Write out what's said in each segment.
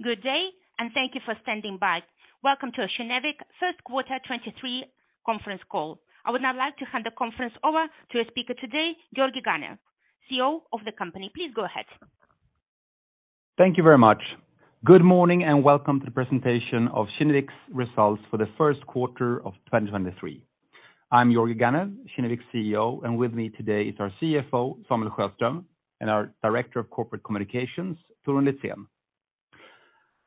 Good day, thank you for standing by. Welcome to Kinnevik third quarter 2023 conference call. I would now like to hand the conference over to our speaker today, Georgi Ganev, CEO of the company. Please go ahead. Thank you very much. Good morning and welcome to the presentation of Kinnevik's results for the first quarter of 2023. I'm Georgi Ganev, Kinnevik's CEO, and with me today is our CFO, Samuel Sjöström, and our Director of Corporate Communications, Torun Lithen.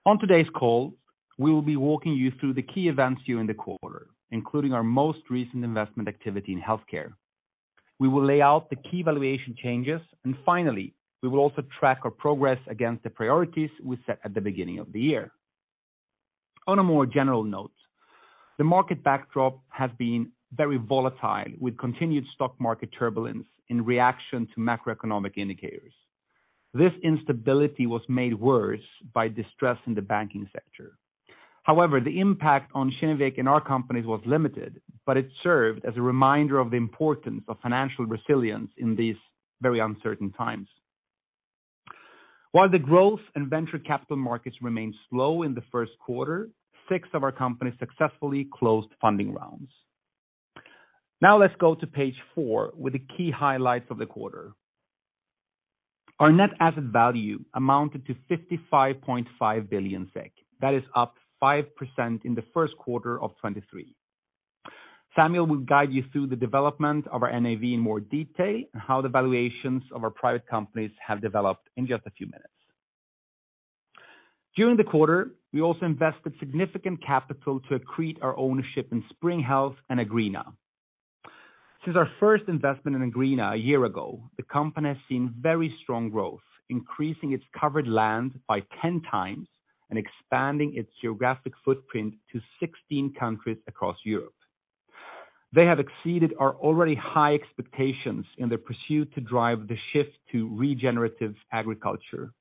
On today's call, we will be walking you through the key events during the quarter, including our most recent Investment activity in Healthcare. We will lay out the key valuation changes, and finally, we will also track our progress against the priorities we set at the beginning of the year. On a more general note, the Market backdrop has been very volatile with continued stock Market Turbulence in reaction to Macroeconomic Indicators. This instability was made worse by distress in the banking sector. The impact on Kinnevik in our companies was limited, but it served as a reminder of the importance of financial resilience in these very uncertain times. While the growth in venture capital Markets remained slow in the first quarter, six of our companies successfully closed funding rounds. Let's go to page four with the key highlights of the quarter. Our net asset value amounted to 55.5 billion SEK. That is up 5% in the first quarter of 2023. Samuel will guide you through the development of our NAV in more detail and how the valuations of our private companies have developed in just a few minutes. During the quarter, we also invested significant capital to accrete our Ownership in Spring Health and Agreena. Since our first Investment in Agreena a year ago, the company has seen very strong growth, increasing its covered land by 10x and expanding its geographic footprint to 16 countries across Europe. They have exceeded our already high expectations in their pursuit to drive the shift to regenerative Agriculture.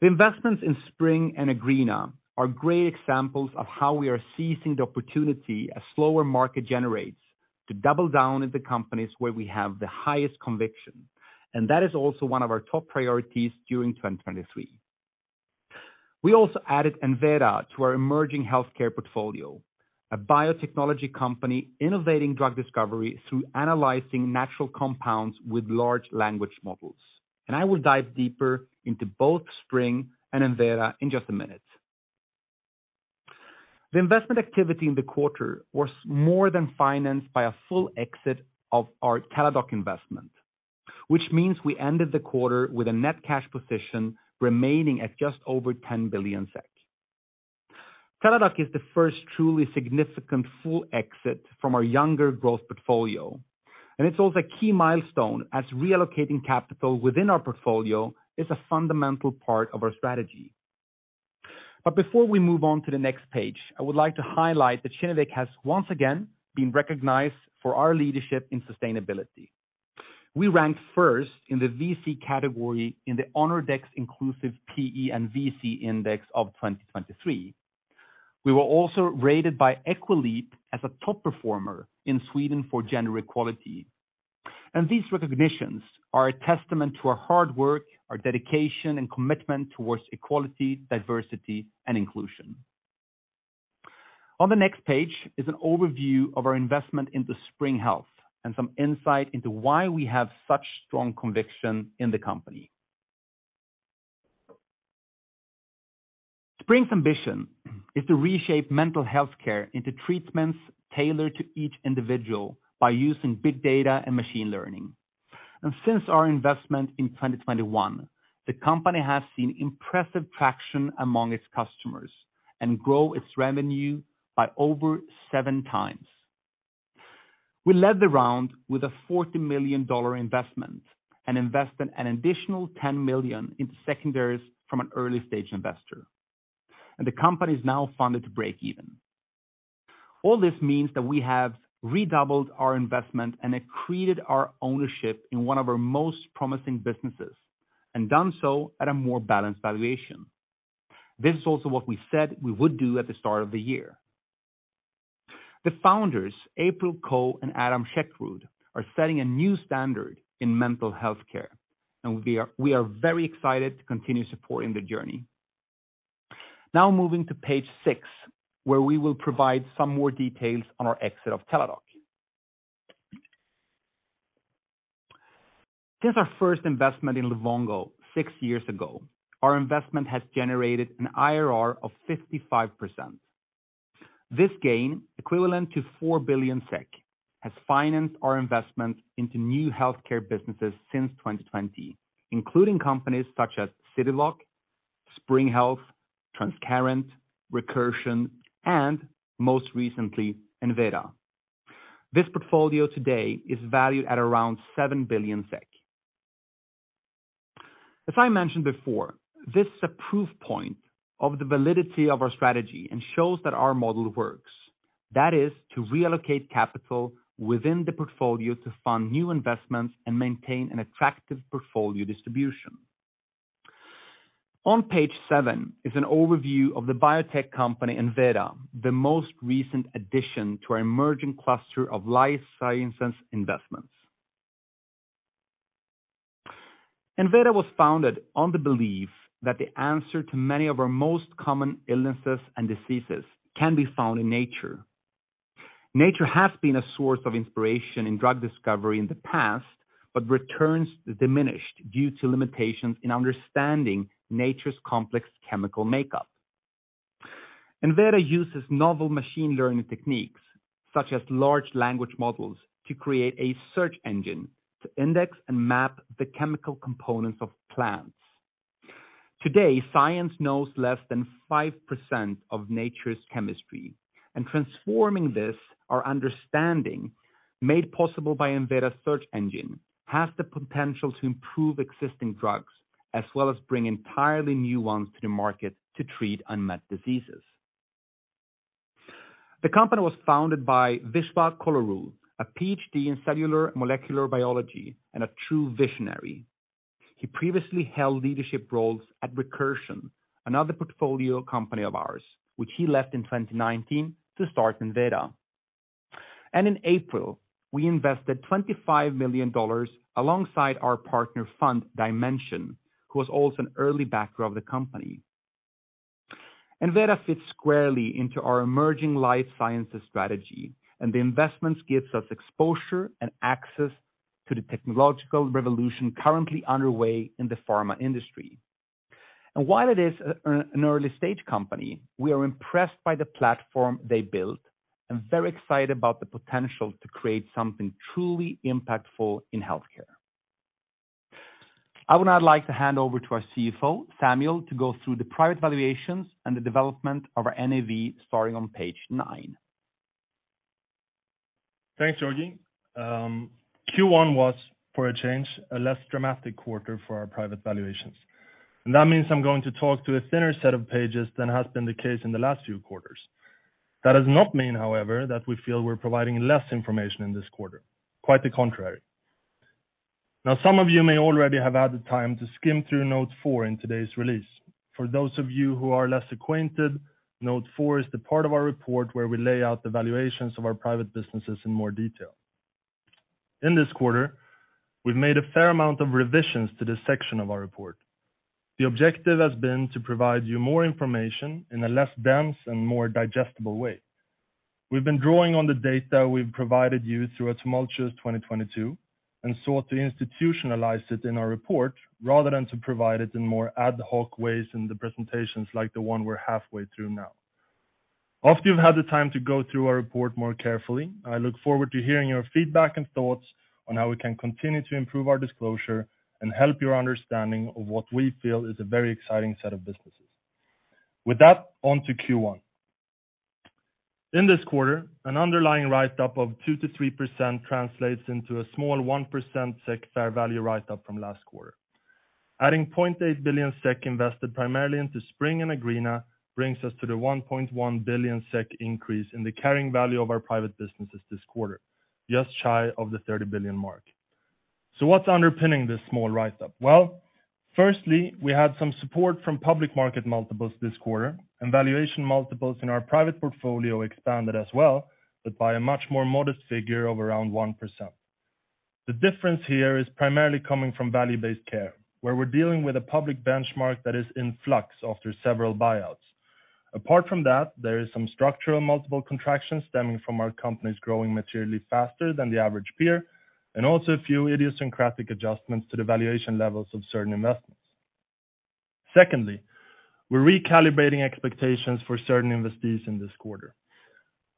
The Investments in Spring and Agreena are great examples of how we are seizing the opportunity a slower Market generates to double down in the companies where we have the highest conviction. That is also one of our top priorities during 2023. We also added Enveda to our emerging healthcare portfolio, a Biotechnology company innovating drug discovery through analyzing natural compounds with large language models. I will dive deeper into both Spring and Enveda in just a minute. The Investment activity in the quarter was more than financed by a full exit of our Teladoc Investment, which means we ended the quarter with a net cash position remaining at just over 10 billion SEK. Teladoc is the first truly significant full exit from our younger growth portfolio, it's also a key milestone as reallocating capital within our portfolio is a fundamental part of our strategy. Before we move on to the next page, I would like to highlight that Kinnevik has once again been recognized for our leadership in sustainability. We ranked first in the VC category in the Honordex Inclusive PE and VC index of 2023. We were also rated by Equileap as a top performer in Sweden for gender equality. These recognitions are a testament to our hard work, our dedication, and commitment towards equality, diversity, and inclusion. On the next page is an overview of our Investment into Spring Health and some insight into why we have such strong conviction in the company. Spring's ambition is to reshape mental health care into treatments tailored to each individual by using big data and machine learning. Since our Investment in 2021, the company has seen impressive traction among its customers and grow its revenue by over 7x. We led the round with a $40 million Investment and invested an additional $10 million into secondaries from an early-stage Investor. The company is now funded to break even. All this means that we have redoubled our Investment and accreted our Ownership in one of our most promising businesses and done so at a more balanced valuation. This is also what we said we would do at the start of the year. The founders, April Koh and Adam Chekroud, are setting a new standard in mental health care, and we are very excited to continue supporting the journey. Now moving to page six, where we will provide some more details on our exit of Teladoc. Since our first Investment in Livongo six years ago, our Investment has generated an IRR of 55%. This gain, equivalent to 4 billion SEK, has financed our Investment into new healthcare businesses since 2020, including companies such as Cityblock, Spring Health, Transcarent, Recursion, and most recently, Enveda. This portfolio today is valued at around 7 billion SEK. As I mentioned before, this is a proof point of the validity of our strategy and shows that our model works. That is to reallocate capital within the portfolio to fund new Investments and maintain an attractive portfolio distribution. On page seven is an overview of the biotech company Enveda, the most recent addition to our emerging cluster of life Sciences Investments. Enveda was founded on the belief that the answer to many of our most common illnesses and diseases can be found in nature. Returns diminished due to limitations in understanding nature's complex Chemical makeup. Enveda uses novel machine learning techniques such as large language models to create a search engine to index and map the chemical components of plants. Today, Science knows less than 5% of nature's chemistry, transforming this, our understanding made possible by Enveda search engine, has the potential to improve existing drugs as well as bring entirely new ones to the Market to treat unmet diseases. The company was founded by Viswa Colluru, a PhD in cellular molecular biology and a true visionary. He previously held leadership roles at Recursion, another portfolio company of ours, which he left in 2019 to start Enveda. In April, we invested $25 million alongside our partner fund Dimension, who was also an early backer of the company. Enveda fits squarely into our emerging life Sciences strategy, and the Investments gives us exposure and access to the technological revolution currently underway in the Pharma Industry. While it is an early-stage company, we are impressed by the platform they built and very excited about the potential to create something truly impactful in healthcare. I would now like to hand over to our CFO, Samuel, to go through the private valuations and the development of our NAV starting on page nine. Thanks, Georgi. Q1 was, for a change, a less dramatic quarter for our private valuations. That means I'm going to talk to a thinner set of pages than has been the case in the last few quarters. That does not mean, however, that we feel we're providing less information in this quarter, quite the contrary. Some of you may already have had the time to skim through Note 4 in today's release. For those of you who are less acquainted, Note 4 is the part of our report where we lay out the valuations of our private businesses in more detail. In this quarter, we've made a fair amount of revisions to this section of our report. The objective has been to provide you more information in a less dense and more digestible way. We've been drawing on the data we've provided you through a tumultuous 2022 and sought to institutionalize it in our report rather than to provide it in more ad hoc ways in the presentations like the one we're halfway through now. After you've had the time to go through our report more carefully, I look forward to hearing your feedback and thoughts on how we can continue to improve our disclosure and help your understanding of what we feel is a very exciting set of businesses. With that, on to Q1. In this quarter, an underlying write-up of 2%-3% translates into a small 1% SEK fair value write-up from last quarter. Adding 0.8 billion SEK invested primarily into Spring and Agreena brings us to the 1.1 billion SEK increase in the carrying value of our private businesses this quarter, just shy of the 30 billion mark. What's underpinning this small write-up? Firstly, we had some support from public Market multiples this quarter, and valuation multiples in our private portfolio expanded as well, but by a much more modest figure of around 1%. The difference here is primarily coming from value-based care, where we're dealing with a public benchmark that is in flux after several buyouts. Apart from that, there is some structural multiple contractions stemming from our companies growing materially faster than the average peer, and also a few idiosyncratic adjustments to the valuation levels of certain Investments. Secondly, we're recalibrating expectations for certain investees in this quarter.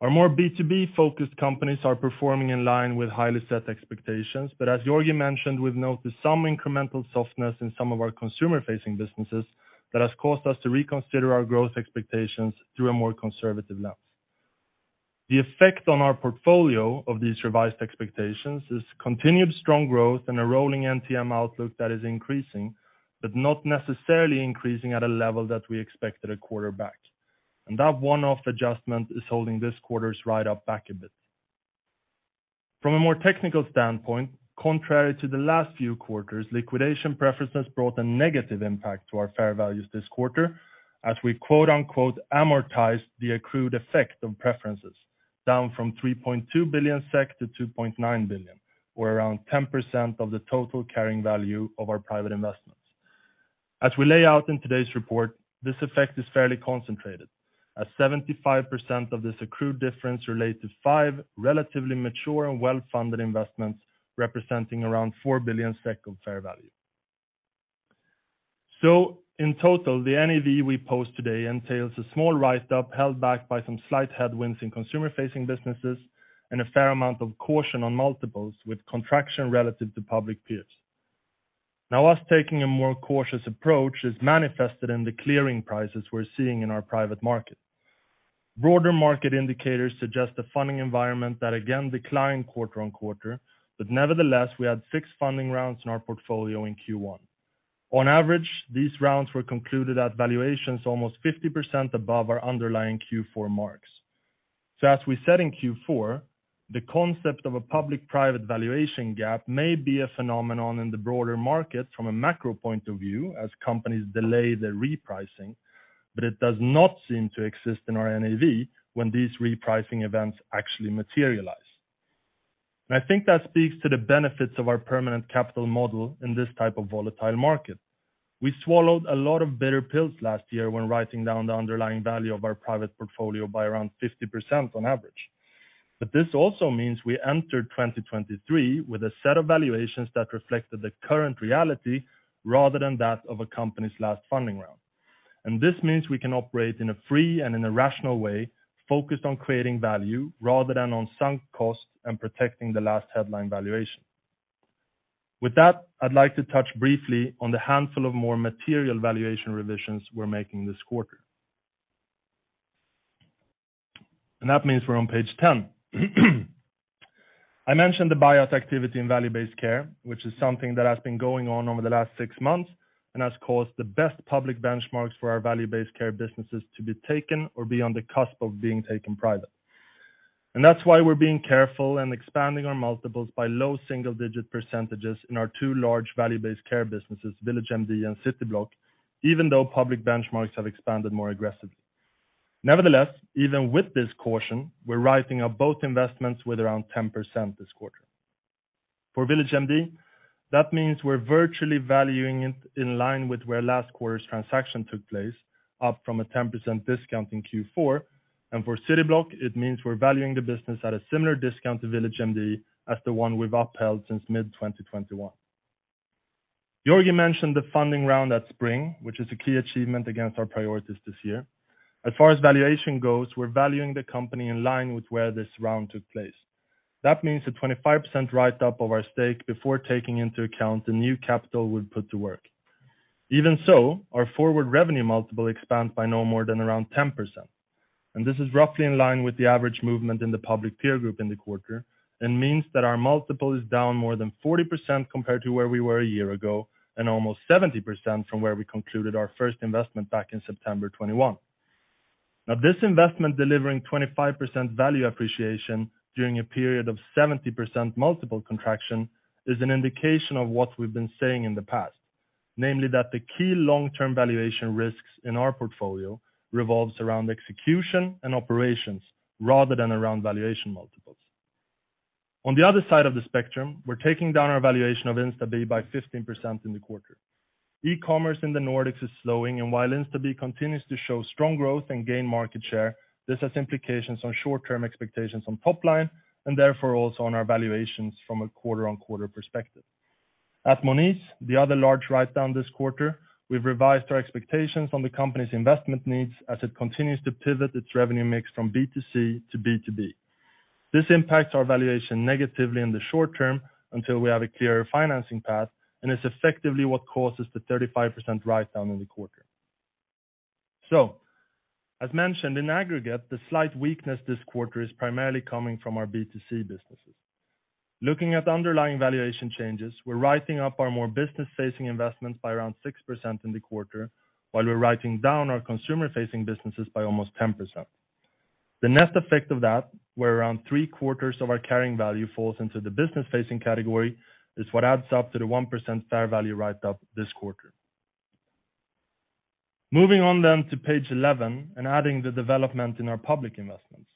Our more B2B-focused companies are performing in line with highly set expectations. As Jorgi mentioned, we've noted some incremental softness in some of our consumer-facing businesses that has caused us to reconsider our growth expectations through a more conservative lens. The effect on our portfolio of these revised expectations is continued strong growth and a rolling NTM outlook that is increasing, but not necessarily increasing at a level that we expected a quarter back. That one-off adjustment is holding this quarter's write-up back a bit. From a more technical standpoint, contrary to the last few quarters, liquidation preferences brought a negative impact to our fair values this quarter as we quote-unquote, amortized the accrued effect of preferences down from 3.2 billion SEK to 2.9 billion, or around 10% of the total carrying value of our private Investments. We lay out in today's report, this effect is fairly concentrated as 75% of this accrued difference relate to five relatively mature and well-funded Investments, representing around 4 billion SEK of fair value. In total, the NAV we post today entails a small write-up held back by some slight headwinds in consumer-facing businesses and a fair amount of caution on multiples with contraction relative to public peers. Now, us taking a more cautious approach is manifested in the clearing prices we're seeing in our private Market. Broader Market indicators suggest a funding environment that again declined quarter-on-quarter, nevertheless, we had six funding rounds in our portfolio in Q1. On average, these rounds were concluded at valuations almost 50% above our underlying Q4 marks. As we said in Q4, the concept of a public-private valuation gap may be a phenomenon in the broader Market from a macro point of view as companies delay their repricing. It does not seem to exist in our NAV when these repricing events actually materialize. I think that speaks to the benefits of our permanent capital model in this type of volatile Market. We swallowed a lot of bitter pills last year when writing down the underlying value of our private portfolio by around 50% on average. This also means we entered 2023 with a set of valuations that reflected the current reality rather than that of a company's last funding round. This means we can operate in a free and in a rational way, focused on creating value rather than on sunk costs and protecting the last headline valuation. With that, I'd like to touch briefly on the handful of more material valuation revisions we're making this quarter. That means we're on page 10. I mentioned the buyouts activity in value-based care, which is something that has been going on over the last six months and has caused the best public benchmarks for our value-based care businesses to be taken or be on the cusp of being taken private. That's why we're being careful and expanding our multiples by low single-digit % in our two large value-based care businesses, VillageMD and Cityblock, even though Public Benchmarks have expanded more aggressively. Nevertheless, even with this caution, we're writing up both Investments with around 10% this quarter. For VillageMD, that means we're virtually valuing it in line with where last quarter's transaction took place, up from a 10% discount in Q4. For Cityblock, it means we're valuing the business at a similar discount to VillageMD as the one we've upheld since mid-2021. Jorgi mentioned the funding round at Spring, which is a key achievement against our priorities this year. As far as valuation goes, we're valuing the company in line with where this round took place. That means a 25% write-up of our stake before taking into account the new capital we've put to work. Even so, our forward revenue multiple expands by no more than around 10%, and this is roughly in line with the average movement in the public peer group in the quarter and means that our multiple is down more than 40% compared to where we were a year ago, and almost 70% from where we concluded our first Investment back in September 2021. This Investment delivering 25% value appreciation during a period of 70% multiple contraction is an indication of what we've been saying in the past. Namely, that the key long-term valuation risks in our portfolio revolves around execution and operations rather than around valuation multiples. On the other side of the spectrum, we're taking down our valuation of Instabee by 15% in the quarter. E-commerce in the Nordics is slowing, and while Instabee continues to show strong growth and gain Market share, this has implications on short-term expectations on top line and therefore also on our valuations from a quarter-on-quarter perspective. At Monese, the other large write-down this quarter, we've revised our expectations on the company's Investment needs as it continues to pivot its revenue mix from B2C to B2B. This impacts our valuation negatively in the short term until we have a clearer financing path and is effectively what causes the 35% write-down in the quarter. As mentioned, in aggregate, the slight weakness this quarter is primarily coming from our B2C businesses. Looking at underlying valuation changes, we're writing up our more business-facing Investments by around 6% in the quarter, while we're writing down our consumer-facing businesses by almost 10%. The net effect of that, where around 3/4 of our carrying value falls into the business-facing category, is what adds up to the 1% fair value write-up this quarter. Moving on to page 11 and adding the development in our public Investments.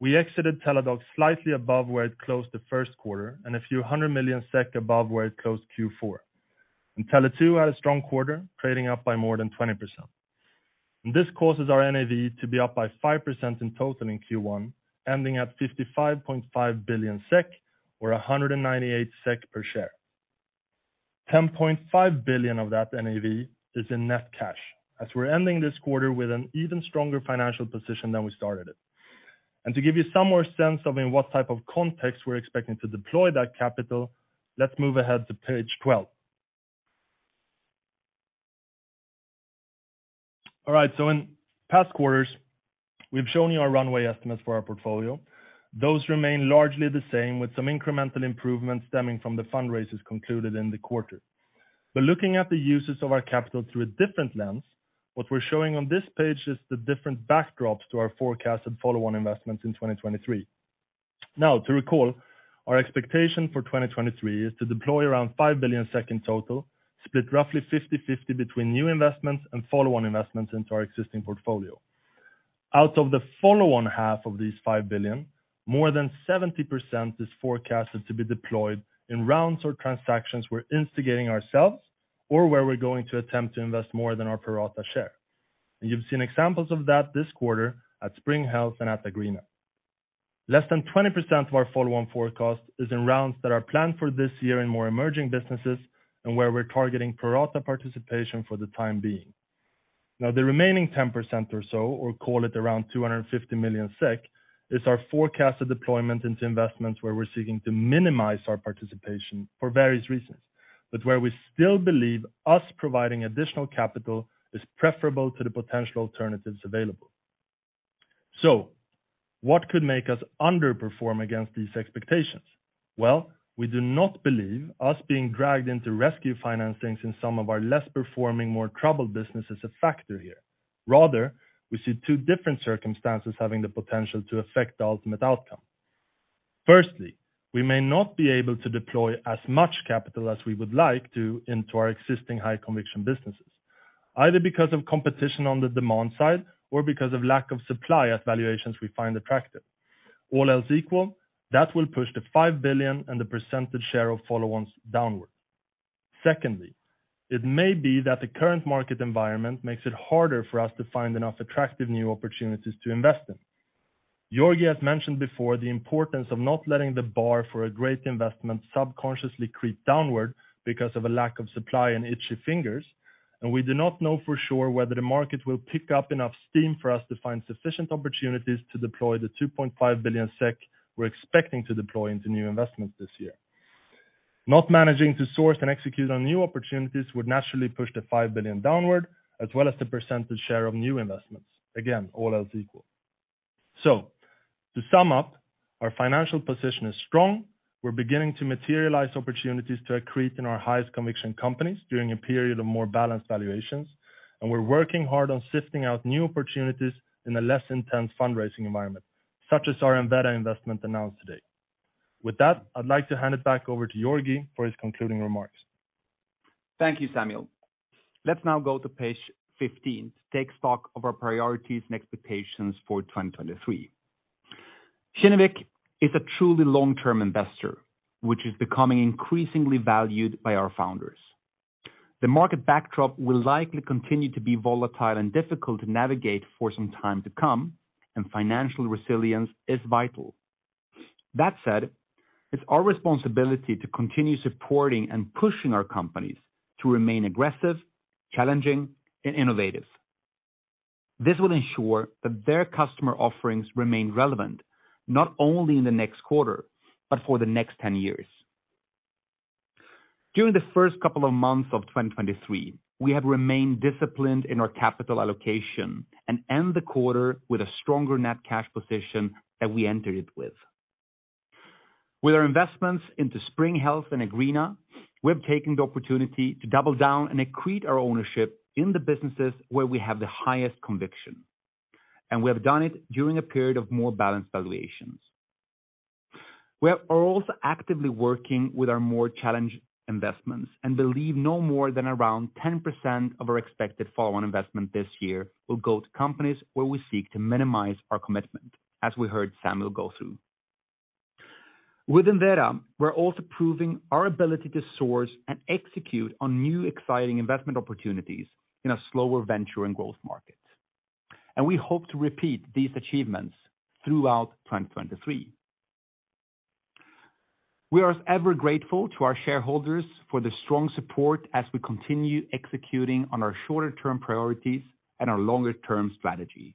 We exited Teladoc slightly above where it closed the first quarter and a few hundred million SEK above where it closed Q4. Tele2 had a strong quarter, trading up by more than 20%. This causes our NAV to be up by 5% in total in Q1, ending at 55.5 billion SEK or 198 SEK per share. 10.5 billion of that NAV is in net cash, as we're ending this quarter with an even stronger financial position than we started it. To give you some more sense of in what type of context we're expecting to deploy that capital, let's move ahead to page 12. All right, in past quarters, we've shown you our runway estimates for our portfolio. Those remain largely the same, with some incremental improvements stemming from the fundraisers concluded in the quarter. Looking at the uses of our capital through a different lens, what we're showing on this page is the different backdrops to our forecasted follow-on Investments in 2023. To recall, our expectation for 2023 is to deploy around 5 billion in total, split roughly 50/50 between new Investments and follow-on Investments into our existing portfolio. Out of the follow-on half of these 5 billion, more than 70% is forecasted to be deployed in rounds or transactions we're instigating ourselves or where we're going to attempt to invest more than our pro-rata share. You've seen examples of that this quarter at Spring Health and at Agreena. Less than 20% of our follow-on forecast is in rounds that are planned for this year in more emerging businesses and where we're targeting pro-rata participation for the time being. The remaining 10% or so, or call it around 250 million SEK, is our forecasted deployment into Investments where we're seeking to minimize our participation for various reasons. Where we still believe us providing additional capital is preferable to the potential alternatives available. What could make us underperform against these expectations? Well, we do not believe us being dragged into rescue financings in some of our less performing, more troubled businesses a factor here. Rather, we see two different circumstances having the potential to affect the ultimate outcome. Firstly, we may not be able to deploy as much capital as we would like to into our existing high conviction businesses, either because of competition on the demand side or because of lack of supply at valuations we find attractive. All else equal, that will push the 5 billion and the percentage share of follow-ons downward. Secondly, it may be that the current Market environment makes it harder for us to find enough attractive new opportunities to invest in. Georgi has mentioned before the importance of not letting the bar for a great Investment subconsciously creep downward because of a lack of supply and itchy fingers, and we do not know for sure whether the Market will pick up enough steam for us to find sufficient opportunities to deploy the 2.5 billion SEK we're expecting to deploy into new Investments this year. Not managing to source and execute on new opportunities would naturally push the 5 billion downward as well as the percentage share of new Investments. Again, all else equal. To sum up, our financial position is strong. We're beginning to materialize opportunities to accrete in our highest conviction companies during a period of more balanced valuations. We're working hard on sifting out new opportunities in a less intense fundraising environment, such as our Enveda Investment announced today. With that, I'd like to hand it back over to Georgi for his concluding remarks. Thank you, Samuel. Let's now go to page 15 to take stock of our priorities and expectations for 2023. Kinnevik is a truly long-term Investor, which is becoming increasingly valued by our founders. The Market backdrop will likely continue to be volatile and difficult to navigate for some time to come, and financial resilience is vital. That said, it's our responsibility to continue supporting and pushing our companies to remain aggressive, challenging, and innovative. This will ensure that their customer offerings remain relevant not only in the next quarter but for the next 10 years. During the first couple of months of 2023, we have remained disciplined in our capital allocation and end the quarter with a stronger net cash position that we entered it with. With our Investments into Spring Health and Agreena, we have taken the opportunity to double down and accrete our Ownership in the businesses where we have the highest conviction, and we have done it during a period of more balanced valuations. We are also actively working with our more challenged Investments and believe no more than around 10% of our expected follow-on Investment this year will go to companies where we seek to minimize our commitment, as we heard Samuel go through. With Enveda, we're also proving our ability to source and execute on new exciting Investment opportunities in a slower venture and growth Market, and we hope to repeat these achievements throughout 2023. We are as ever grateful to our shareholders for the strong support as we continue executing on our shorter-term priorities and our longer-term strategy.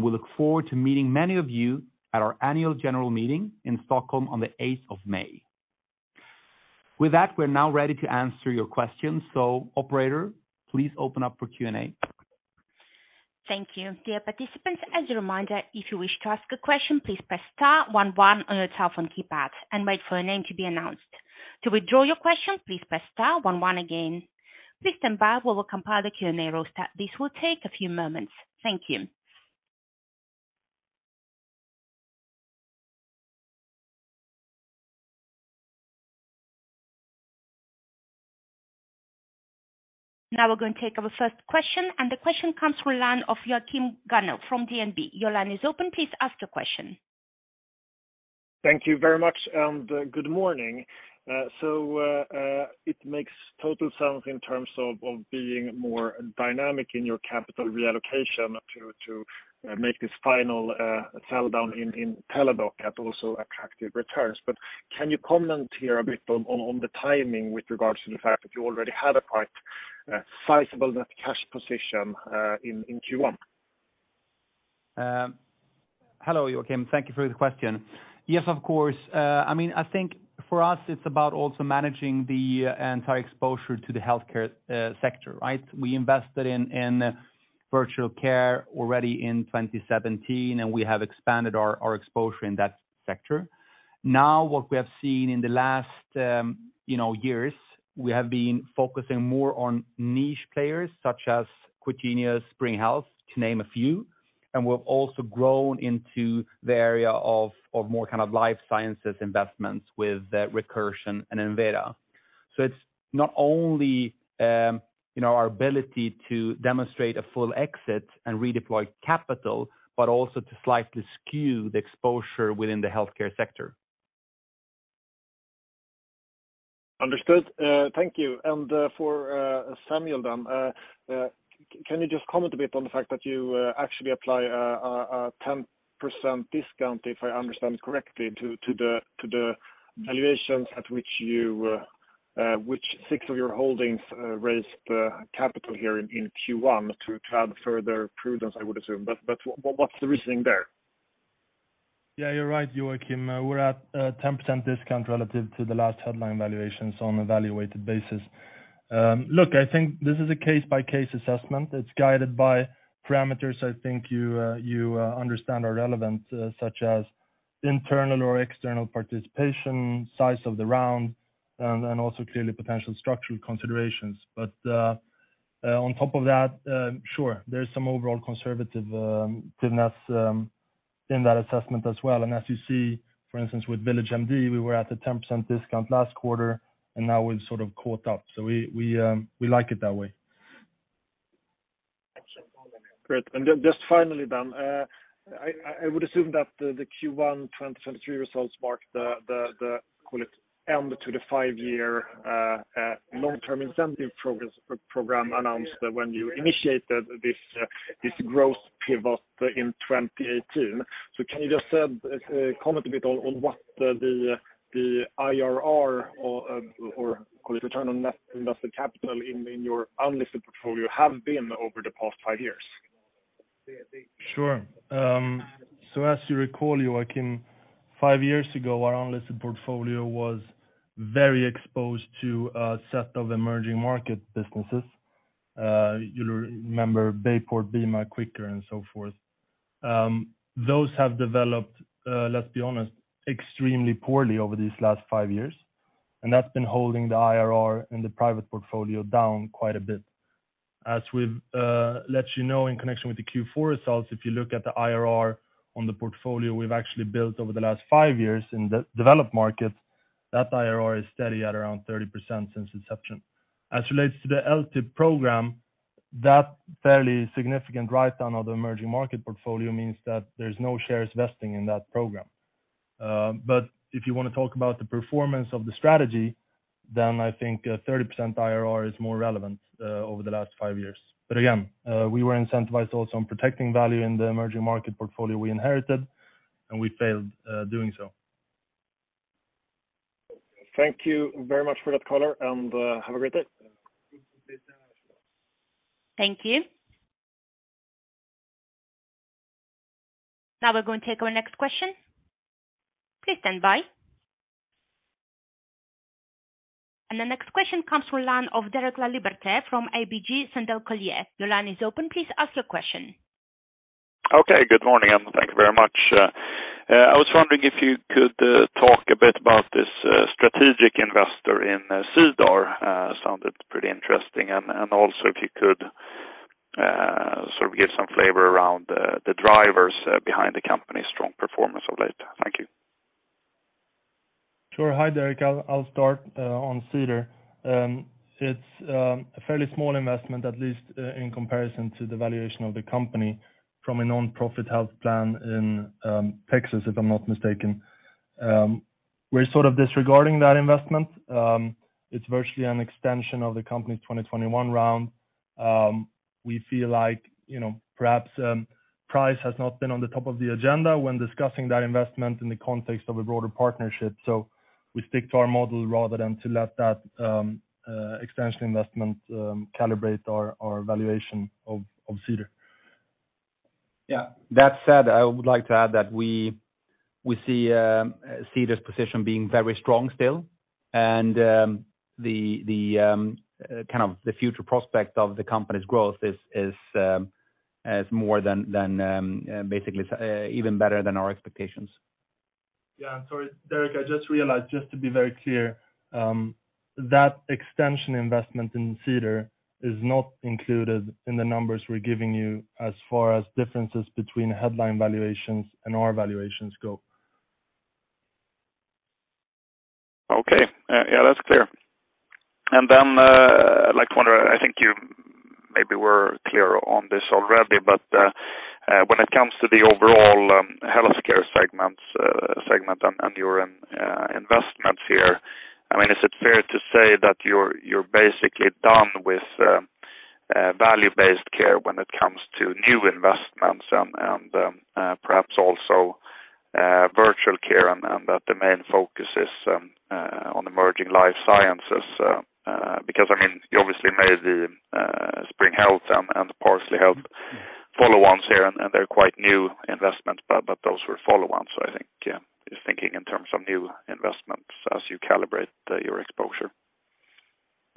We look forward to meeting many of you at our annual general meeting in Stockholm on the eighth of May. With that, we're now ready to answer your questions. Operator, please open up for Q&A. Thank you. Dear participants, as a reminder, if you wish to ask a question, please press star one one on your telephone keypad and wait for your name to be announced. To withdraw your question, please press star one one again. Please stand by while we compile the Q&A roster. This will take a few moments. Thank you. We're going to take our first question. The question comes from line of Joakim Gannevik from DNB. Your line is open. Please ask your question. Thank you very much, and good morning. It makes total sense in terms of being more dynamic in your capital reallocation to make this final sell down in Teladoc at also attractive returns. Can you comment here a bit on the timing with regards to the fact that you already had a quite sizable net cash position in Q1? Hello, Joakim. Thank you for the question. Yes, of course. I mean, I think for us it's about also managing the entire exposure to the healthcare sector, right? We invested in virtual care already in 2017, and we have expanded our exposure in that sector. Now, what we have seen in the last, you know, years, we have been focusing more on niche players such as Quintiles, Spring Health, to name a few. We've also grown into the area of more kind of life Sciences Investments with Recursion and Enveda. It's not only, you know, our ability to demonstrate a full exit and redeploy capital, but also to slightly skew the exposure within the healthcare sector. Understood. Thank you. For Samuel then, can you just comment a bit on the fact that you actually apply a 10% discount, if I understand correctly, to the valuations at which you which six of your holdings raised capital here in Q1 to add further prudence, I would assume. What's the reasoning there? Yeah, you're right, Joakim. We're at a 10% discount relative to the last headline valuations on a valuated basis. Look, I think this is a case-by-case assessment. It's guided by parameters I think you understand are relevant, such as internal or external participation, size of the round, and also clearly potential structural considerations. On top of that, sure, there's some overall conservative given us in that assessment as well. As you see, for instance, with VillageMD, we were at a 10% discount last quarter, and now we've sort of caught up. We like it that way. Great. Then just finally then, I would assume that the Q1 2023 results marked the, call it, end to the five-year, long-term incentive program announced when you initiated this growth pivot in 2018. Can you just comment a bit on what, the IRR or, call it return on invested capital in your unlisted portfolio have been over the past five years? Sure. As you recall, Joakim gannef, five years ago, our unlisted portfolio was very exposed to a set of emerging Market businesses. You'll remember Bayport, BIMA, Quikr, and so forth. Those have developed, let's be honest, extremely poorly over these last five years, and that's been holding the IRR and the private portfolio down quite a bit. As we've let you know in connection with the Q4 results, if you look at the IRR on the portfolio we've actually built over the last five years in the developed Markets, that IRR is steady at around 30% since inception. As relates to the LTIP program, that fairly significant write-down of the emerging Market portfolio means that there's no shares vesting in that program. If you wanna talk about the performance of the strategy, then I think a 30% IRR is more relevant over the last five years. Again, we were incentivized also on protecting value in the emerging Market portfolio we inherited, and we failed doing so. Thank you very much for that color, and, have a great day. Thank you. Now we're going to take our next question. Please stand by. The next question comes from line of Derek Laliberté from ABG Sundal Collier. Your line is open. Please ask your question. Okay. Good morning, and thank you very much. I was wondering if you could talk a bit about this strategic Investor in Cedar? Sounded pretty interesting. Also if you could sort of give some flavor around the drivers behind the company's strong performance of late? Thank you. Sure. Hi, Derek. I'll start on Cedar. It's a fairly small Investment, at least in comparison to the valuation of the company from a nonprofit health plan in Texas, if I'm not mistaken. We're sort of disregarding that Investment. It's virtually an extension of the company's 2021 round. We feel like, you know, perhaps, price has not been on the top of the agenda when discussing that Investment in the context of a broader partnership. We stick to our model rather than to let that extension Investment calibrate our valuation of Cedar. Yeah. That said, I would like to add that we see Cedar's position being very strong still and, the kind of the future prospect of the company's growth is more than basically even better than our expectations. Yeah. I'm sorry, Derek, I just realized, just to be very clear, that extension Investment in Cedar is not included in the numbers we're giving you as far as differences between headline valuations and our valuations go. Okay. Yeah, that's clear. Then, I'd like to wonder, I think you maybe were clear on this already, but when it comes to the overall healthcare segments, segment and your Investments here, I mean, is it fair to say that you're basically done with value-based care when it comes to new Investments and perhaps also virtual care and that the main focus is on emerging life Sciences? Because, I mean, you obviously made the Spring Health and Parsley Health follow-ons here, and they're quite new Investments, but those were follow-ons, so I think, yeah, just thinking in terms of new Investments as you calibrate your exposure.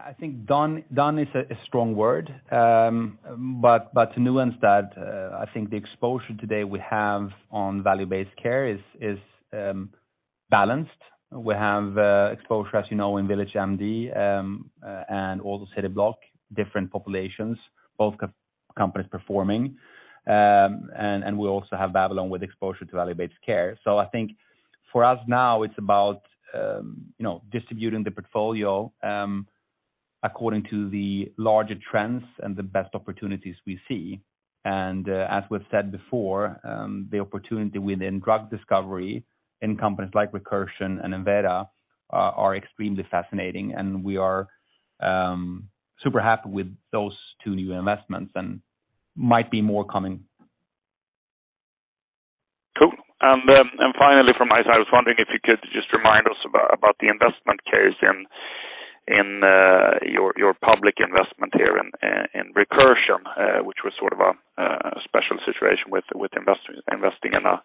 I think done is a strong word. But to nuance that, I think the exposure today we have on value-based care is balanced. We have exposure, as you know, in VillageMD and also Cityblock, different populations, both Co-companies performing. And we also have Babylon with exposure to value-based care. I think for us now it's about, you know, distributing the portfolio according to the larger trends and the best opportunities we see. As we've said before, the opportunity within drug discovery in companies like Recursion and Enveda are extremely fascinating, and we are super happy with those two new Investments and might be more coming. Cool. Finally from my side, I was wondering if you could just remind us about the Investment case in your public Investment here in Recursion, which was sort of a special situation with Investors investing in a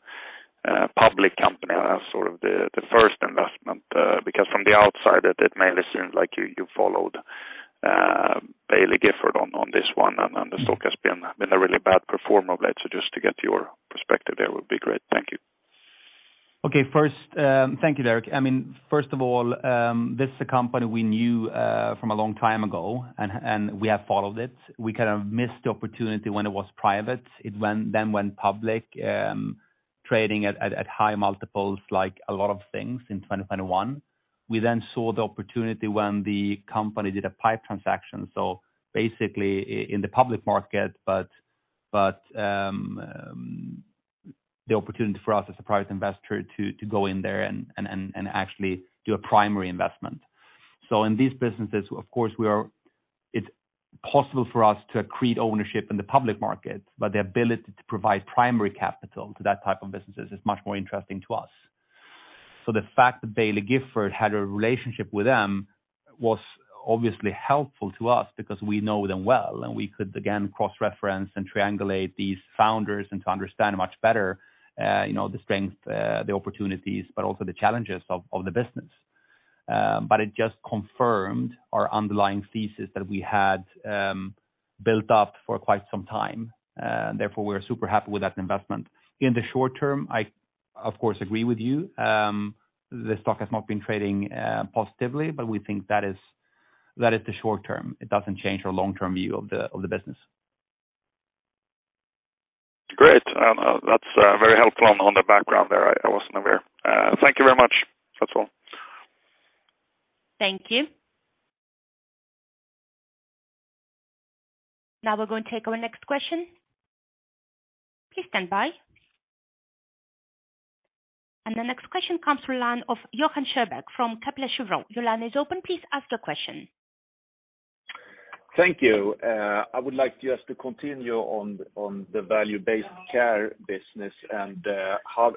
public company and that was sort of the first Investment. From the outside, it mainly seems like you followed Baillie Gifford on this one, and the stock has been a really bad performer of late. Just to get your perspective there would be great. Thank you. Okay, first, thank you, Derek. I mean, first of all, this is a company we knew from a long time ago, and we have followed it. We kind of missed the opportunity when it was private. It then went public, trading at high multiples like a lot of things in 2021. We then saw the opportunity when the company did a PIPE transaction, so basically in the public Market but, the opportunity for us as a private Investor to go in there and actually do a primary Investment. In these businesses of course it's possible for us to accrete Ownership in the public Market, but the ability to provide primary capital to that type of businesses is much more interesting to us. The fact that Baillie Gifford had a relationship with them was obviously helpful to us because we know them well, and we could again cross-reference and triangulate these founders and to understand much better, you know, the strength, the opportunities, but also the challenges of the business. But it just confirmed our underlying thesis that we had built up for quite some time. Therefore we're super happy with that Investment. In the short term, I of course agree with you. The stock has not been trading positively, but we think that is the short term. It doesn't change our long-term view of the business. Great. That's very helpful on the background there. I wasn't aware. Thank you very much. That's all. Thank you. Now we're gonna take our next question. Please stand by. The next question comes from line of Johan Sjöberg from Kepler Cheuvreux. Your line is open. Please ask your question. Thank you. I would like just to continue on the value-based care business and,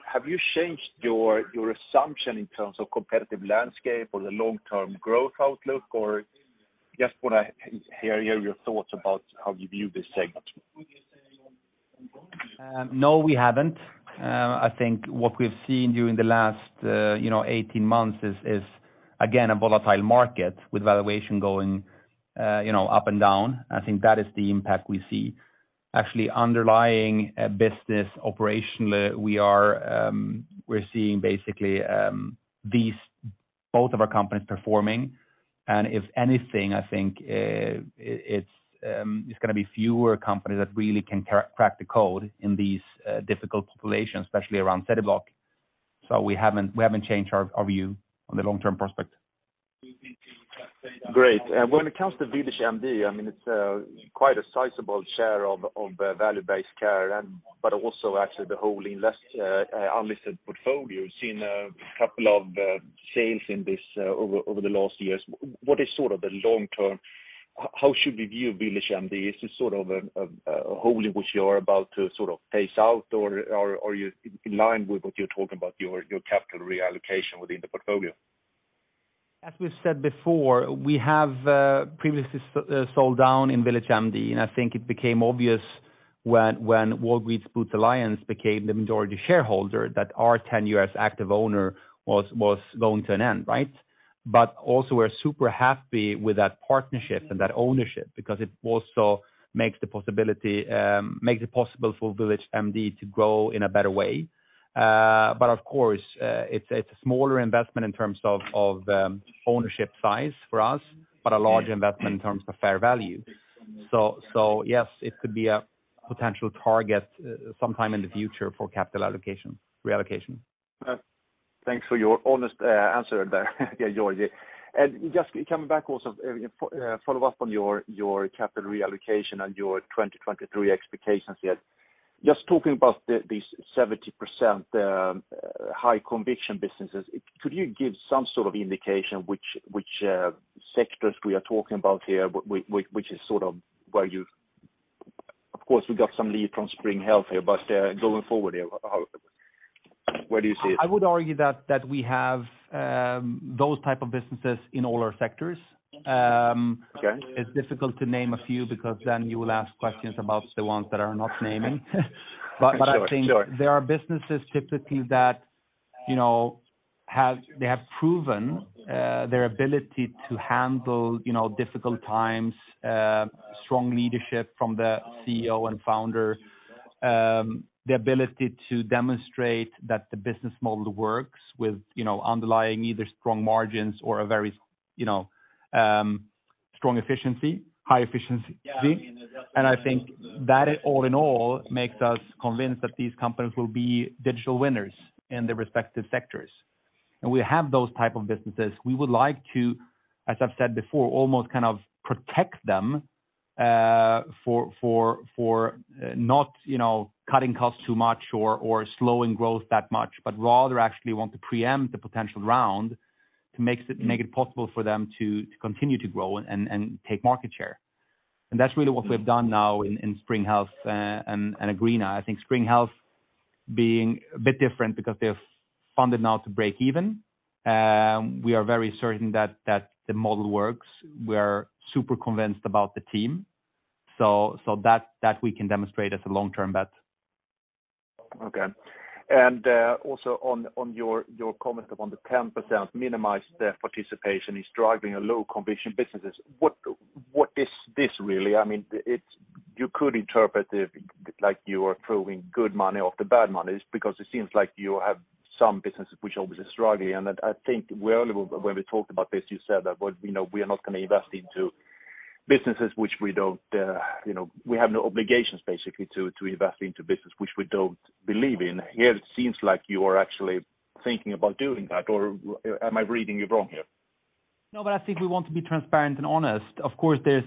have you changed your assumption in terms of competitive landscape or the long-term growth outlook, or just wanna hear your thoughts about how you view this segment? think what we've seen during the last 18 months is again, a volatile Market with valuation going up and down. I think that is the impact we see. Actually underlying business operation, we are seeing basically both of our companies performing, and if anything, I think it's going to be fewer companies that really can crack the code in these difficult populations, especially around Cityblock. So we haven't changed our view on the long-term prospect. Great. When it comes to VillageMD, I mean it's quite a sizable share of value-based care and, also actually the whole unlisted portfolio. We've seen a couple of sales in this over the last years. What is sort of the long term? How should we view VillageMD? Is it sort of a hole in which you're about to sort of phase out or are you in line with what you're talking about your capital reallocation within the portfolio? As we've said before, we have previously sold down in VillageMD. I think it became obvious when Walgreens Boots Alliance became the majority shareholder that our 10 years active owner was going to an end, right. Also we're super happy with that partnership and that Ownership because it also makes the possibility, makes it possible for VillageMD to grow in a better way. Of course, it's a smaller Investment in terms of Ownership size for us, but a large Investment in terms of fair value. Yes, it could be a potential target sometime in the future for capital allocation, reallocation. Thanks for your honest answer there, Georgi. Just coming back also, follow up on your capital reallocation and your 2023 expectations here. Just talking about the, these 70%, high conviction businesses, could you give some sort of indication which sectors we are talking about here? Which is sort of where you, Of course, we got some lead from Spring Health here, but, going forward here, how, where do you see it? I would argue that we have, those type of businesses in all our sectors. Okay. It's difficult to name a few because then you will ask questions about the ones that are not naming. Sure, sure. I think there are businesses typically that, you know, they have proven their ability to handle, you know, difficult times, strong leadership from the CEO and founder, the ability to demonstrate that the business model works with, you know, underlying either strong margins or a very, you know, strong efficiency, high efficiency. I think that all in all, makes us convinced that these companies will be digital winners in their respective sectors. We have those type of businesses. We would like to, as I've said before, almost kind of protect them, for not, you know, cutting costs too much or slowing growth that much, but rather actually want to preempt the potential round. Mm. Make it possible for them to continue to grow and take Market share. That's really what we've done now in Spring Health and Agreena. I think Spring Health being a bit different because they're funded now to break even. We are very certain that the model works. We're super convinced about the team. That we can demonstrate as a long-term bet. Okay. Also on your comment about the 10% minimize the participation is driving a low conviction businesses. What is this really? I mean, You could interpret it like you are throwing good money after bad money, because it seems like you have some businesses which always are struggling. I think earlier when we talked about this, you said that, well, you know, we are not going to invest into businesses which we don't, you know, we have no obligations basically to invest into business which we don't believe in. Here it seems like you are actually thinking about doing that. Or am I reading you wrong here? No, I think we want to be transparent and honest. Of course, there's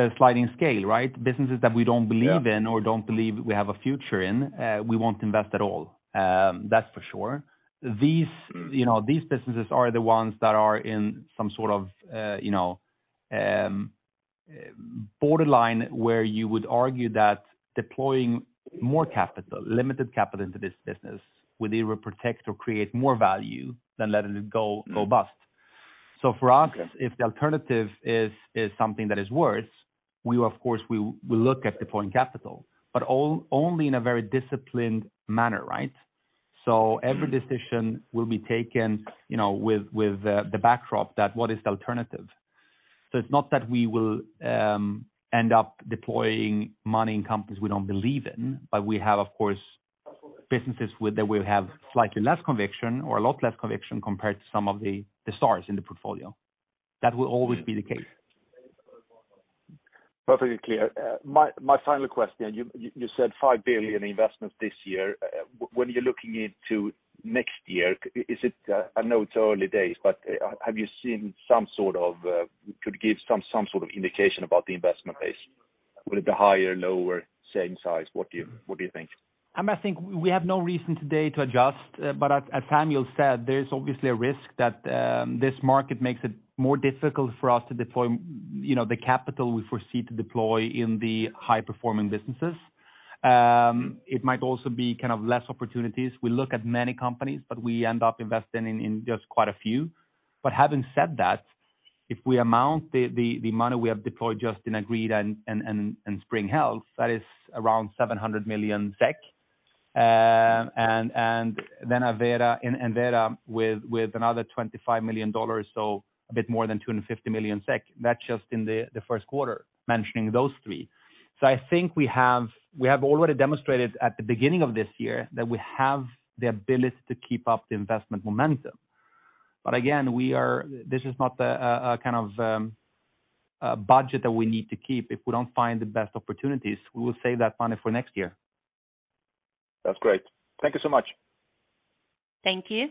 a sliding scale, right? Businesses that we don't believe in. Yeah. -or don't believe we have a future in, we won't invest at all. That's for sure. These, you know, these businesses are the ones that are in some sort of, you know, borderline, where you would argue that deploying more capital, limited capital into this business would either protect or create more value than letting it go. Mm. go bust. For us- Okay. If the alternative is something that is worse, we of course, we look at deploying capital, but only in a very disciplined manner, right. Every decision will be taken, you know, with the backdrop that what is the alternative? It's not that we will end up deploying money in companies we don't believe in, but we have, of course, businesses that will have slightly less conviction or a lot less conviction compared to some of the stars in the portfolio. That will always be the case. Perfectly clear. My final question, you said 5 billion Investment this year. When you're looking into next year, is it, I know it's early days, but, have you seen some sort of, could give some sort of indication about the Investment base? Will it be higher, lower, same size? What do you think? I think we have no reason today to adjust. As Samuel said, there is obviously a risk that this Market makes it more difficult for us to deploy, you know, the capital we foresee to deploy in the high performing businesses. It might also be kind of less opportunities. We look at many companies, but we end up investing in just quite a few. Having said that, if we amount the money we have deployed just in Agreena and Spring Health, that is around 700 million SEK. Enveda with another $25 million, so a bit more than 250 million SEK. That's just in the first quarter, mentioning those three. I think we have already demonstrated at the beginning of this year that we have the ability to keep up the Investment momentum. Again, this is not a kind of budget that we need to keep. If we don't find the best opportunities, we will save that money for next year. That's great. Thank you so much. Thank you.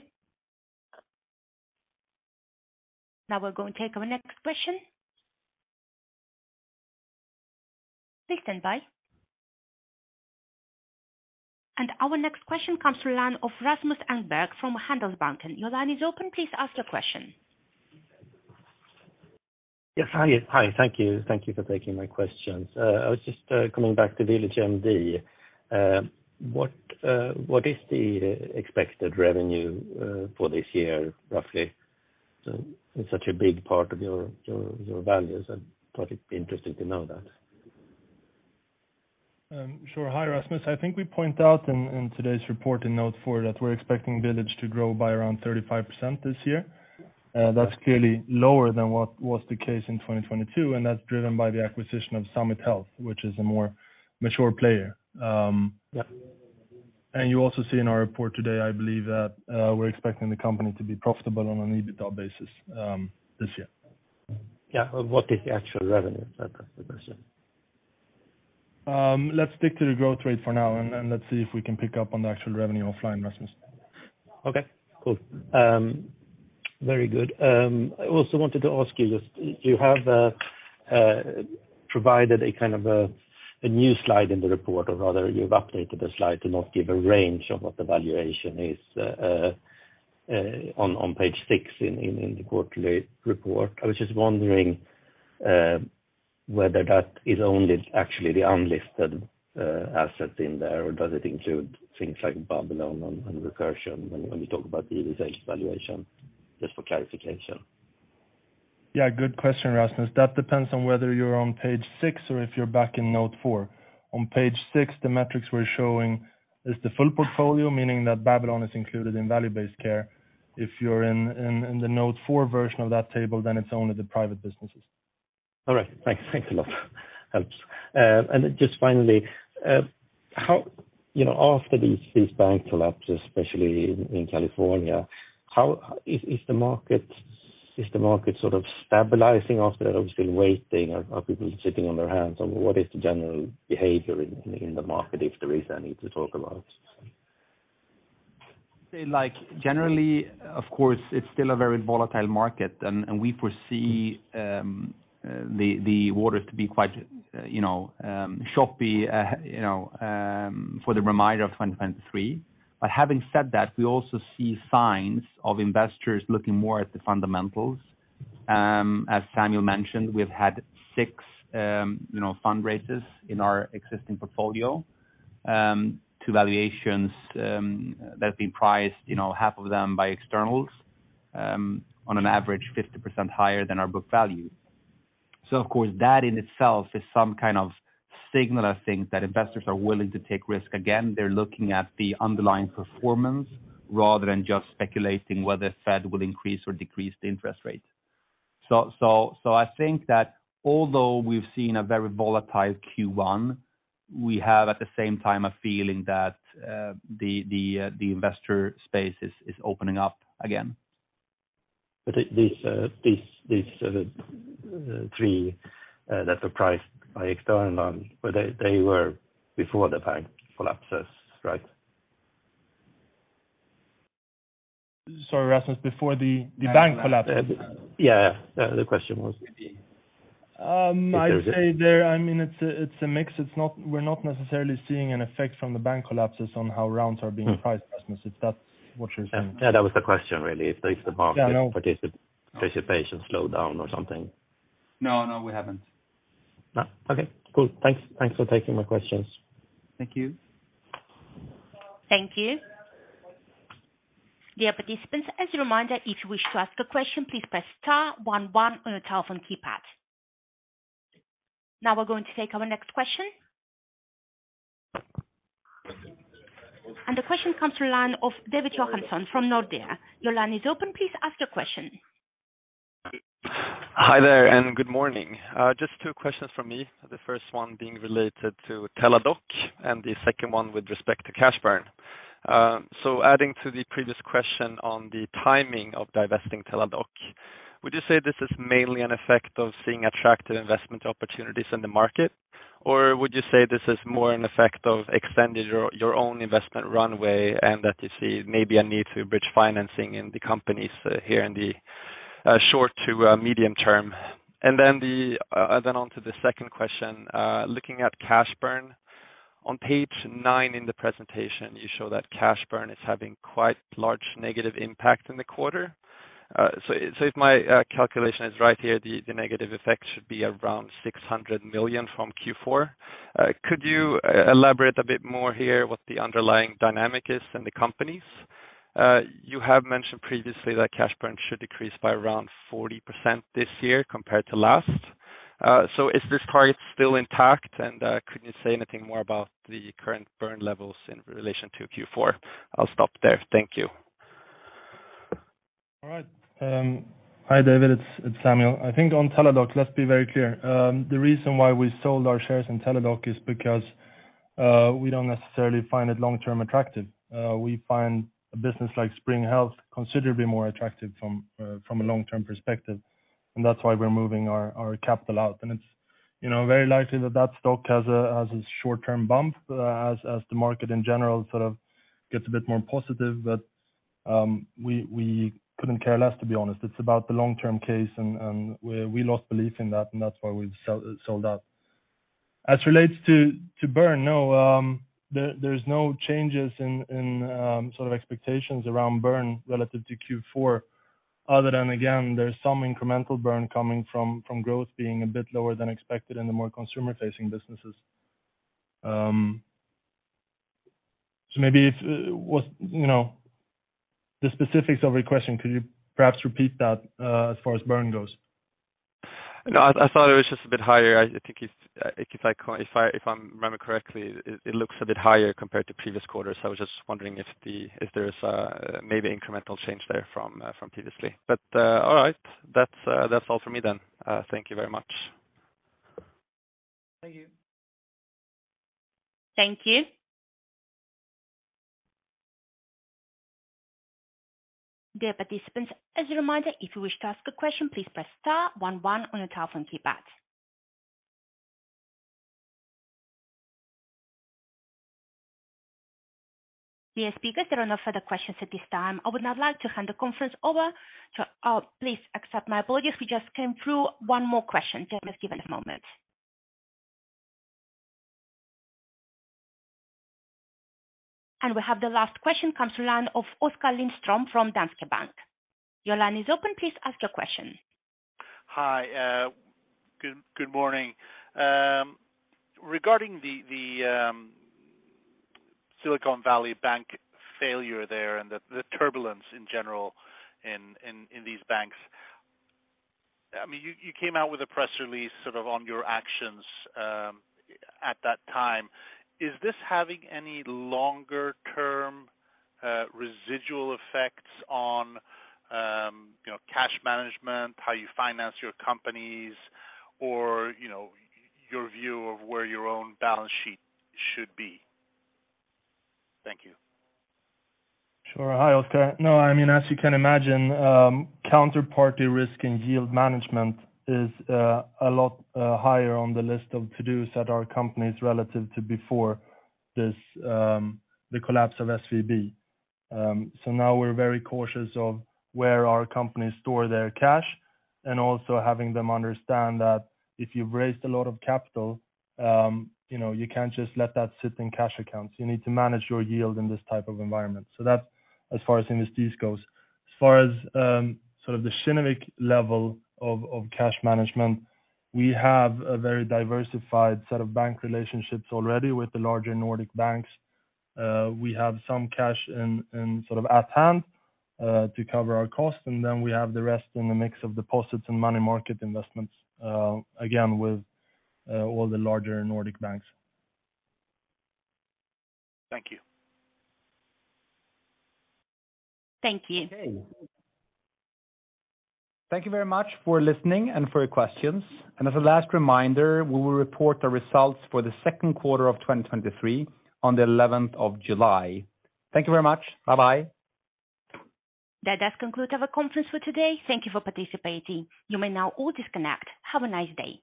Now we'll go and take our next question. Please stand by. Our next question comes from line of Rasmus Engberg from Handelsbanken. Your line is open. Please ask your question. Yes. Hi. Hi. Thank you. Thank you for taking my questions. I was just coming back to VillageMD. What is the expected revenue for this year, roughly? It's such a big part of your values. I thought it'd be interesting to know that. Sure. Hi, Rasmus. I think we point out in today's report in note four that we're expecting Village to grow by around 35% this year. That's clearly lower than what was the case in 2022, and that's driven by the acquisition of Summit Health, which is a more mature player. You also see in our report today, I believe, that we're expecting the company to be profitable on an EBITDA basis this year. Yeah. What is the actual revenue? That's the question. Let's stick to the growth rate for now, and then let's see if we can pick up on the actual revenue offline, Rasmus. Cool. Very good. I also wanted to ask you have provided a kind of a new slide in the report, or rather you've updated the slide to not give a range of what the valuation is on page 6 in the quarterly report. I was just wondering whether that is only actually the unlisted asset in there, or does it include things like Babylon and Recursion when you talk about the valuation, just for clarification? Good question, Rasmus. That depends on whether you're on page six or if you're back in note four. On page six, the metrics we're showing is the full portfolio, meaning that Babylon is included in value-based care. If you're in the note four version of that table, it's only the private businesses. All right. Thanks. Thanks a lot. Helps. Just finally, how, you know, after these bank collapses, especially in California, is the Market sort of stabilizing after obviously waiting? Are people sitting on their hands? Or what is the general behavior in the Market, if there is any to talk about? Say, like, generally, of course, it's still a very volatile Market and we foresee the waters to be quite, you know, choppy, you know, for the remainder of 2023. Having said that, we also see signs of Investors looking more at the fundamentals. As Samuel mentioned, we've had six, you know, fundraisers in our existing portfolio to valuations that have been priced, you know, half of them by externals on an average 50% higher than our book value. Of course, that in itself is some kind of signal, I think, that Investors are willing to take risk again. They're looking at the underlying performance rather than just speculating whether Fed will increase or decrease the interest rate. I think that although we've seen a very volatile Q1, we have, at the same time, a feeling that the Investor space is opening up again. These, three, that were priced by external, but they were before the bank collapses, right? Sorry, Rasmus, before the bank collapses? Yeah. The question was the- I'd say they're, I mean, it's a mix. We're not necessarily seeing an effect from the bank collapses on how rounds are being priced, Rasmus, if that's what you're saying? Yeah, that was the question, really. If the. Yeah, no. -participation slowed down or something. No, no, we haven't. No. Okay, cool. Thanks, thanks for taking my questions. Thank you. Thank you. Dear participants, as a reminder, if you wish to ask a question, please press star one one on your telephone keypad. Now we're going to take our next question. The question comes to line of David Johansson from Nordea. Your line is open. Please ask your question. Hi there. Good morning. Just two questions from me, the first one being related to Teladoc and the second one with respect to cash burn. Adding to the previous question on the timing of divesting Teladoc, would you say this is mainly an effect of seeing attractive Investment opportunities in the Market? Would you say this is more an effect of extending your own Investment runway and that you see maybe a need to bridge financing in the companies here in the short to medium term? On to the second question. Looking at cash burn, on page nine in the presentation, you show that cash burn is having quite large negative impact in the quarter. If my calculation is right here, the negative effect should be around 600 million from Q4. Could you elaborate a bit more here what the underlying dynamic is in the companies? You have mentioned previously that cash burn should decrease by around 40% this year compared to last. Is this target still intact? Could you say anything more about the current burn levels in relation to Q4? I'll stop there. Thank you. All right. Hi, David, it's Samuel. I think on Teladoc, let's be very clear. The reason why we sold our shares in Teladoc is because we don't necessarily find it long-term attractive. We find a business like Spring Health considerably more attractive from a long-term perspective, and that's why we're moving our capital out. It's, you know, very likely that that stock has a short-term bump as the Market in general sort of gets a bit more positive. We couldn't care less, to be honest. It's about the long-term case and we lost belief in that, and that's why we've sold out. As relates to burn, no, there's no changes in sort of expectations around burn relative to Q4, other than, again, there's some incremental burn coming from growth being a bit lower than expected in the more consumer-facing businesses. Maybe if, you know, the specifics of your question, could you perhaps repeat that as far as burn goes? No, I thought it was just a bit higher. I think if I'm remembering correctly, it looks a bit higher compared to previous quarters. I was just wondering if there's a maybe incremental change there from previously. All right. That's all for me then. Thank you very much. Thank you. Thank you. Dear participants, as a reminder, if you wish to ask a question, please press star one one on your telephone keypad. Dear speakers, there are no further questions at this time. I would now like to hand the conference over to. Please accept my apologies. We just came through one more question. Just give us a moment. We have the last question comes to line of Oskar Lindström from Danske Bank. Your line is open. Please ask your question. Hi. Good morning. Regarding the Silicon Valley Bank failure there and the turbulence in general in these banks, I mean, you came out with a press release sort of on your actions at that time. Is this having any longer-term residual effects on, you know, cash management, how you finance your companies or, you know, your view of where your own balance sheet should be? Thank you. Sure. Hi, Oskar. No, I mean, as you can imagine, counterparty risk and yield management is a lot higher on the list of to-dos at our companies relative to before this, the collapse of SVB. Now we're very cautious of where our companies store their cash and also having them understand that if you've raised a lot of capital, you know, you can't just let that sit in cash accounts. You need to manage your yield in this type of environment. That's as far as Industries goes. As far as, sort of the cinematic level of cash management, we have a very diversified set of bank relationships already with the larger Nordic banks. We have some cash in, sort of at hand, to cover our costs, and then we have the rest in the mix of deposits and money Market Investments, again, with, all the larger Nordic banks. Thank you. Thank you. Okay. Thank you very much for listening and for your questions. As a last reminder, we will report our results for the second quarter of 2023 on the 11th of July. Thank you very much. Bye-bye. That does conclude our conference for today. Thank you for participating. You may now all disconnect. Have a nice day.